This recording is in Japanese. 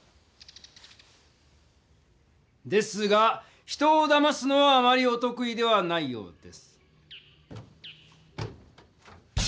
ですが人をだますのはあまりおとく意ではないようです。